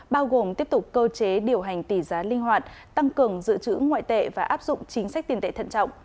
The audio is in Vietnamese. bao gồm tiếp tục cơ chế điều hành tỷ giá linh hoạt tăng cường dự trữ ngoại tệ và áp dụng chính sách tiền tệ thận trọng